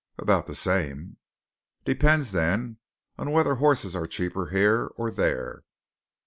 "About the same." "Depends then on whether horses are cheaper here or there."